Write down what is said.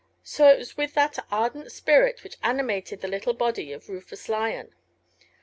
So it was with that ardent spirit which animated the little body of Rufus Lyon.